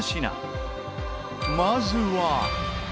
まずは。